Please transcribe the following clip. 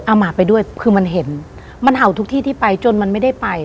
หมาไปด้วยคือมันเห็นมันเห่าทุกที่ที่ไปจนมันไม่ได้ไป